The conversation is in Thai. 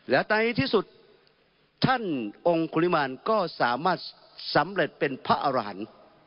และในที่สุดท่านองค์คุริมารก็สามารถสำเร็จเป็นพระอาราน